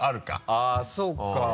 あっそうか。